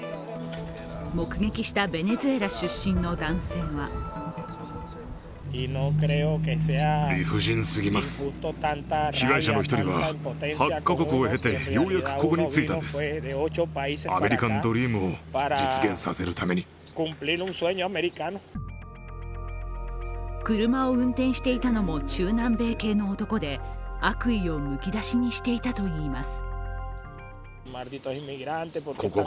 目撃したベネズエラ出身の男性は車を運転していたのも中南米系の男で悪意をむき出しにしていたといいます。